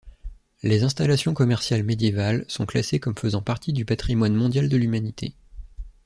Les installations commerciales médiévales sont classées comme faisant partie du patrimoine mondial de l'humanité.